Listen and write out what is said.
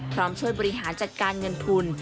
พร้อมช่วยบริหารจัดการเงินทุน